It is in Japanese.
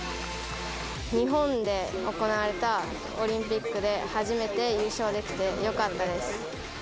日本で行われたオリンピックで初めて優勝できてよかったです。